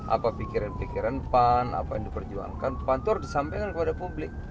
apa pikiran pikiran pan apa yang diperjuangkan pan itu harus disampaikan kepada publik